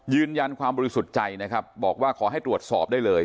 ยืนยันความบริสุทธิ์ใจนะครับบอกว่าขอให้ตรวจสอบได้เลย